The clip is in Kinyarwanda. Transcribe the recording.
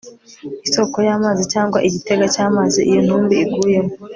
Isoko y amazi cyangwa igitega cy amazi iyo ntumbi iguyemo